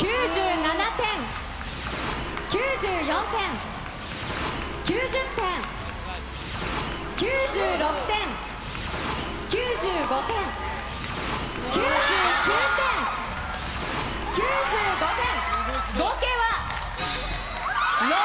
９７点、９４点、９０点、９６点、９５点、９９点、９５点。